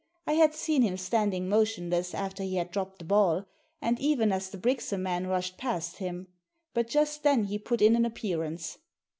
I had seen him standing motionless after he had dropped the ball, and even as the Brixham men rushed past him. But just then he put in an appearance.